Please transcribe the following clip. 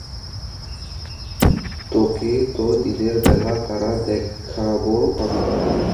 তোকে তো দিনের বেলা তারা দেখাবো আমি।